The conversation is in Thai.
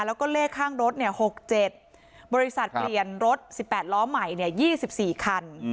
แล้วก็เลขข้างรถ๖๗บริษัทเปลี่ยนรถ๑๘ล้อใหม่๒๔คัน